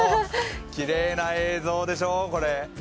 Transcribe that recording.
きれいな映像でしょ、これ。